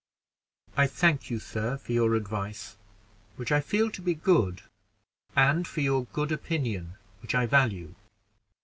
"I thank you, sir, for your advice, which I feel to be good, and for your good opinion, which I value."